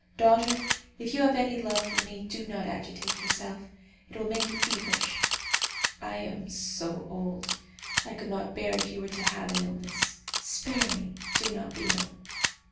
Daughter, if you have any love for me, do not agitate yourself, it will make you feverish. I am so old, I could not bear it if you were to have an illness. Spare me! do not be ill!"